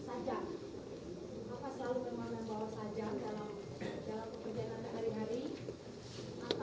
anda pas itu balan semudah apa